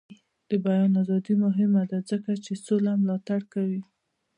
د بیان ازادي مهمه ده ځکه چې سوله ملاتړ کوي.